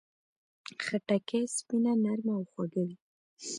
خټکی سپینه، نرمه او خوږه وي.